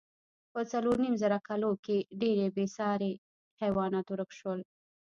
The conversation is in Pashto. په څلورو نیم زره کلو کې ډېری بېساري حیوانات ورک شول.